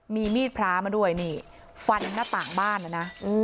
มีมีดพลามาด้วยฟันหน้าต่างบ้าน